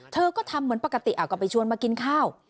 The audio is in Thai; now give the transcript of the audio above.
เธอก็ทำเหมือนปกติก็ไปชวนมากินข้าว